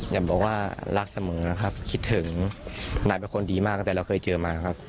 อยากบอกว่ารักเสมอนะครับคิดถึงนายเป็นคนดีมากตั้งแต่เราเคยเจอมาครับ